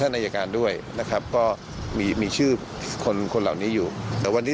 อายการด้วยนะครับก็มีมีชื่อคนคนเหล่านี้อยู่แต่วันนี้